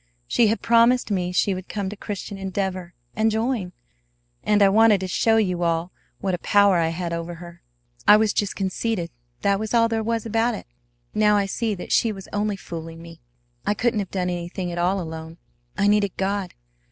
She had promised me she would come to Christian Endeavor, and join; and I wanted to show you all what a power I had over her. I was just conceited; that was all there was about it. Now I see that she was only fooling me. I couldn't have done anything at all alone. I needed God.